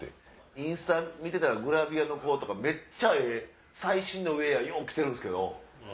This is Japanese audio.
インスタ見てたらグラビアの子とかめっちゃええ最新のウエアよう着てるんすけど。